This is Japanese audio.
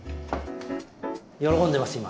喜んでます今。